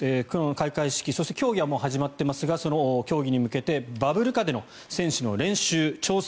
開会式そして競技は始まっていますがその競技に向けてのバブル下での選手の練習・調整